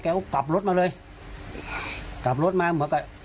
ก็กลับรถมาเลยกลับรถมาเหมือนกับ